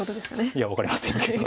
いや分かりませんけど。